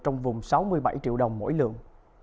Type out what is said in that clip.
trong vùng sáu mươi bảy triệu đồng mỗi lượng